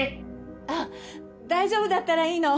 あっ大丈夫だったらいいの。